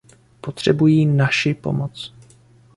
Potřebují naši pomoc.